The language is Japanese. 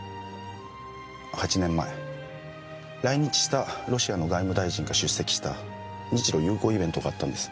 ８年前来日したロシアの外務大臣が出席した日露友好イベントがあったんです。